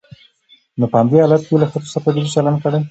نو په همدې حالت کې يې له ښځو سره تبعيضي چلن کړى.